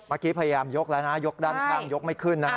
พยายามยกแล้วนะยกด้านข้างยกไม่ขึ้นนะ